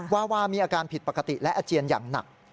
วาวามีอาการผิดปกติและอาเจียนอย่างหนัก